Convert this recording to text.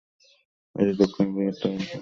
এটি দক্ষিণ আফ্রিকার তারকা হিসাবে পরিচিত হয়েছিল।